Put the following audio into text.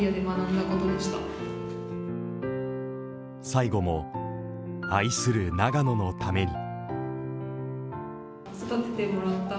最後も、愛する長野のために。